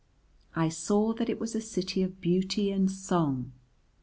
I saw that it was a city of beauty and song.